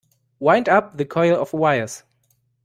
Wind up the coil of wires.